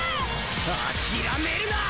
諦めるなー！！